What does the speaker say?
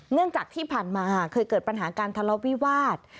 เนื่องจากที่ผ่านมาเคยเกิดปัญหาการทะเลาะวิวาส